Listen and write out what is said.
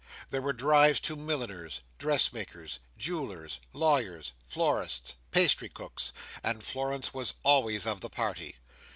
There were drives to milliners, dressmakers, jewellers, lawyers, florists, pastry cooks; and Florence was always of the party.